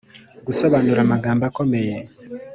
- -gusobanura amagambo akomeye;